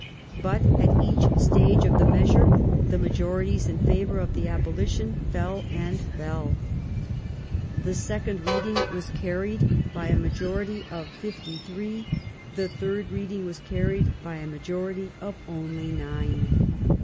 But at each stage of the measure the majorities in favor of the abolition fell and fell. The second reading was carried by a majority of fifty three ; the third reading was carried by a majority of only nine.